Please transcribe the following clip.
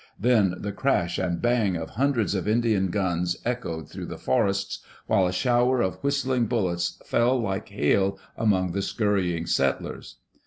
Then the crash and bang of hundreds of Indian guns echoed through the forests, while a shower of whis tling bullets fell like hail among the scurrying settlers.